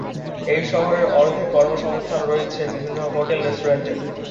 এই শহরের অর্ধেক কর্মসংস্থান রয়েছে বিভিন্ন হোটেল, রেস্টুরেন্টে।